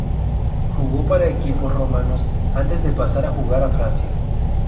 Jugó para equipos rumanos antes de pasar a jugar a Francia.